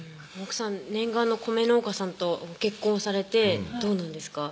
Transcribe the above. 奥さん念願の米農家さんと結婚されてどうなんですか？